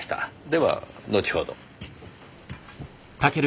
では後ほど。